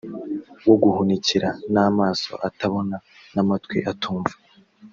wo guhunikira n amaso atabona n amatwi atumva